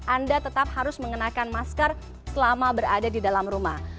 anda tetap harus mengenakan masker selama berada di dalam rumah